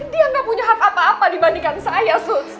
dia nggak punya hak apa apa dibandingkan saya